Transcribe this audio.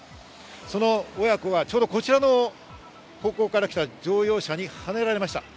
その親子がちょうどこちらの方向から来た乗用車にはねられました。